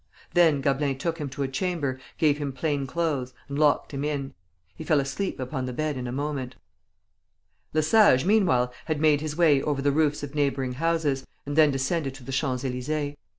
Then Gablin took him to a chamber, gave him plain clothes, and locked him in. He fell asleep upon the bed in a moment. Le Sage meanwhile had made his way over the roofs of neighboring houses, and then descended to the Champs Élysées.